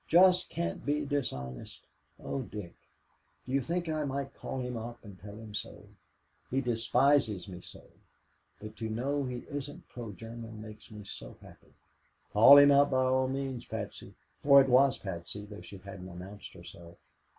Just can't be dishonest oh, Dick, do you think I might call him up and tell him so? He despises me so. But to know he isn't pro German makes me so happy." "Call him up, by all means, Patsy," for it was Patsy, though she hadn't announced herself.